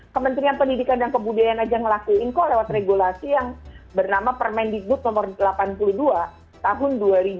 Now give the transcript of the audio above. kementerian pendidikan dan kebudayaan aja ngelakuin kok lewat regulasi yang bernama permendikbud nomor delapan puluh dua tahun dua ribu dua puluh